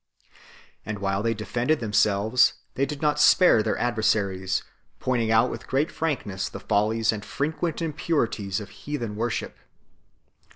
And while they defended them selves, they did not spare their adversaries, pointing out with great frankness the follies and frequent impurities of heathen worship.